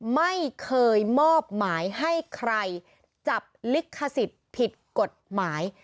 ไม่เคยมอบหมายให้ใครจับลิขสิทธิ์ผิดกฎหมาย